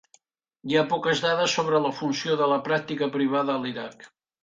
Hi ha poques dades sobre la funció de la pràctica privada a l'Iraq.